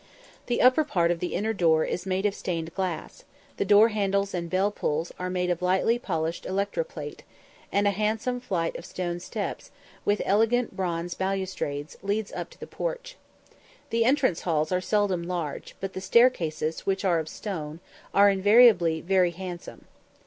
The upper part of the inner door is made of stained glass; the door handles and bell pulls are made of highly polished electro plate; and a handsome flight of stone steps, with elegant bronze balustrades, leads up to the porch. The entrance halls are seldom large, but the staircases, which are of stone, are invariably very handsome.